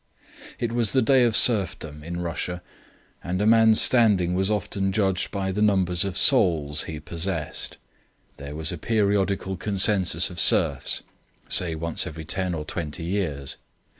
It was the day of serfdom in Russia, and a man's standing was often judged by the numbers of "souls" he possessed. There was a periodical census of serfs, say once every ten or twenty years.